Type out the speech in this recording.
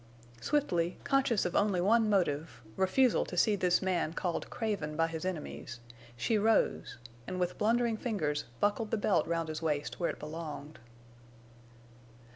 Swiftly, conscious of only one motive—refusal to see this man called craven by his enemies—she rose, and with blundering fingers buckled the belt round his waist where it belonged.